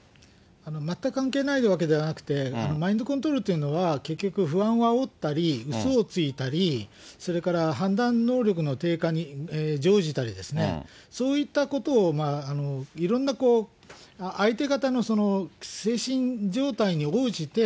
全く関係ないわけではなくて、マインドコントロールというのは、結局、不安をあおったり、うそをついたり、それから判断能力の低下に乗じたりですね、そういったことを、いろんな相手方の精神状態に応じて、